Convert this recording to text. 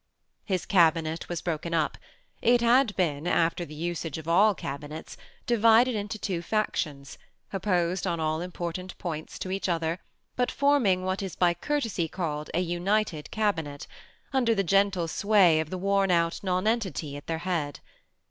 His cabinet was broken up. It had been, after the usage of all cabinets, divided into two factions, opposed on all important points to each other, but forming what is by courtesy called an united cabinet, under the gentle sway of the worn out nonentity at their head.